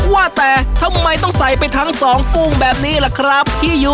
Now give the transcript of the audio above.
ว่าแต่ทำไมต้องใส่ไปทั้งสองกุ้งแบบนี้ล่ะครับพี่ยุ